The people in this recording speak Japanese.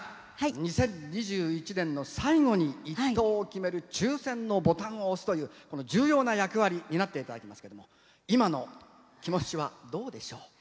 ２０２１年の最後に１等を決める抽せんボタンを押すという重要な役割を担っていただきますけれど今のお気持ちはどうでしょうか。